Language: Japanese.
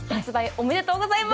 おめでとうございます。